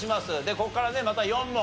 ここからねまた４問。